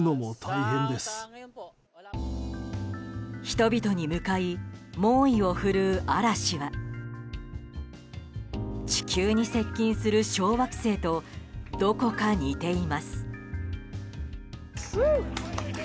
人々に向かい猛威を振るう嵐は地球に接近する小惑星とどこか似ています。